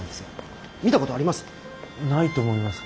見たことあります？